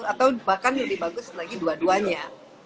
atau bahkan lebih bagus lagi dua duanya